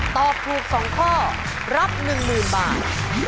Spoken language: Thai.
ตอบถูก๒ข้อรับ๑๐๐๐บาท